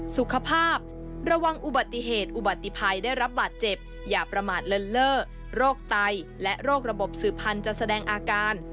สุขภาพระวังอุบัติเหตุอุบัติภัยได้รับบาดเจ็บอย่าประมาทเลินเล่อโรคไตและโรคระบบสื่อพันธ์จะแสดงอาการ